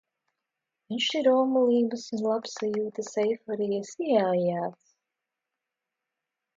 Viņš ir omulības un labsajūtas eiforijas ieaijāts.